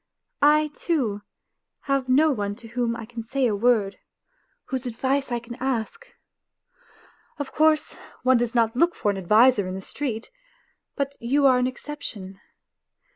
... I, too, have no one to whom I can say a word, whose advice I can ask. Of course, one does not look for an adviser in the street ; but you are an exception.